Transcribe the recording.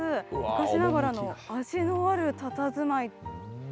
昔ながらの味のあるたたずまい。